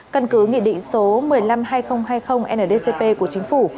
căn cứ nghị định số một trăm năm mươi hai nghìn hai mươi ndcp của chính phủ